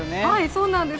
そうなんです。